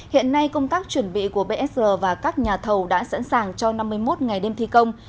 hiện nay công tác chuẩn bị của bsr và các nhà thầu đã sẵn sàng cho năm mươi một ngày đêm thi công